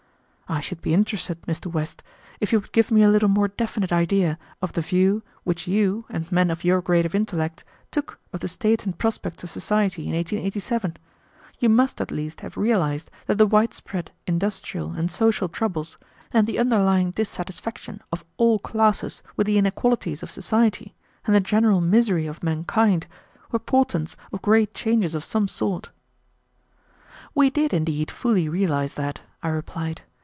I should be interested, Mr. West, if you would give me a little more definite idea of the view which you and men of your grade of intellect took of the state and prospects of society in 1887. You must, at least, have realized that the widespread industrial and social troubles, and the underlying dissatisfaction of all classes with the inequalities of society, and the general misery of mankind, were portents of great changes of some sort." "We did, indeed, fully realize that," I replied.